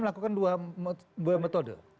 melakukan dua metode